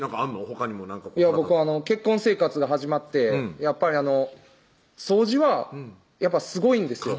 ほかにも僕結婚生活が始まって掃除はやっぱすごいんですよ